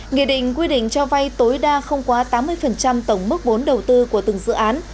nghị định quy định cho vay tối đa không quá tám mươi tổng mức vốn đầu tư của từng dự án